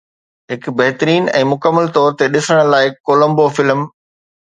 هڪ بهترين ۽ مڪمل طور تي ڏسڻ لائق ڪولمبو فلم